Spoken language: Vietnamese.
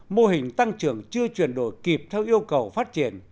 mô hình tăng trưởng chưa chuyển đổi kịp theo yêu cầu phát triển